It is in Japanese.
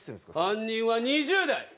犯人は２０代。